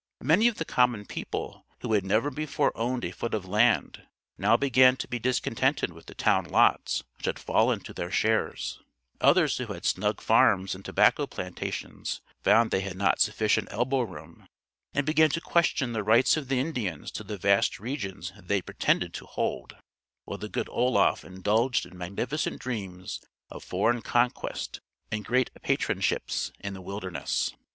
Many of the common people, who had never before owned a foot of land, now began to be discontented with the town lots which had fallen to their shares; others who had snug farms and tobacco plantations found they had not sufficient elbow room, and began to question the rights of the Indians to the vast regions they pretended to hold while the good Oloffe indulged in magnificent dreams of foreign conquest and great patroonships in the wilderness.